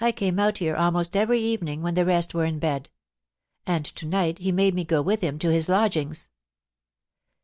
1 came out here almost every evening when the rest were in bed. And to night he made me go with him to his lodgings.'